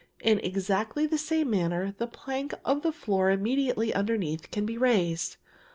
In exactly the same manner the plank of the floor immediately underneath can be raised.